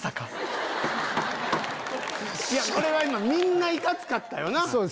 いやこれは今みんないかつかったよな。